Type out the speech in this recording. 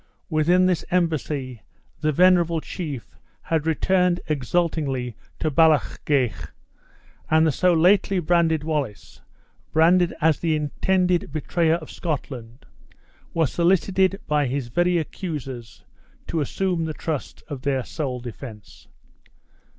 With this embassy the venerable chief had returned exultingly to Ballochgeich; and the so lately branded Wallace, branded as the intended betrayer of Scotland, was solicited by his very accusers to assume the trust of their sole defense!